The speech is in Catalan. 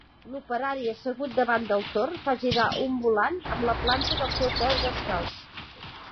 L'operari, assegut davant del torn fa girar un volant amb la planta del peu descalç.